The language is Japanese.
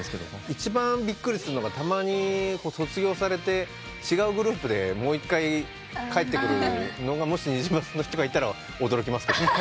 一番びっくりするのがたまに卒業されて違うグループでもう１回帰ってくるのがもしニジマスの人がいたら驚きますけど。